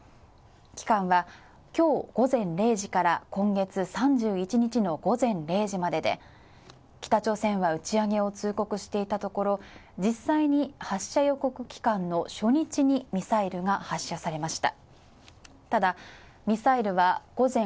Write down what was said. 期間は今日午前０時から今月３１日の午前０時までで北朝鮮は打ち上げを通告していたところ、実際に発射予告期間の初日にミサイルが発射されました。